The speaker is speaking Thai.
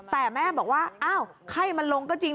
แต่แม่บอกว่าอ้าวไข้มันลงก็จริง